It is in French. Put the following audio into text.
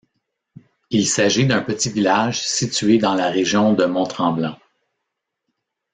Il s'agit d'un petit village situé dans la région de Mont-Tremblant.